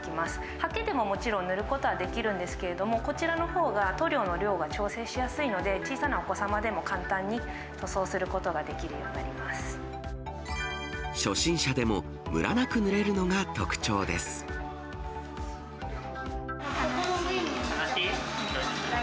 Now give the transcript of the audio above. はけでももちろん塗ることはできるんですけれども、こちらのほうが、塗料の量が調整しやすいので、小さなお子様でも簡単に塗装する初心者でも、むらなく塗れる楽しい。